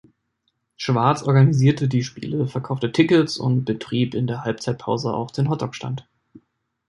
Schwarz organisierte die Spiele, verkaufte Tickets und betrieb in der Halbzeitpause auch den Hotdog-Stand.